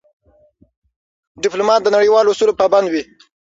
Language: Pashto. ډيپلومات د نړیوالو اصولو پابند وي.